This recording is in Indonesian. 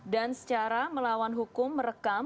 dan secara melawan hukum merekam